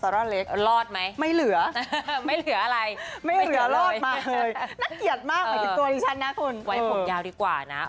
ไว้ผมยาวดีกว่านะ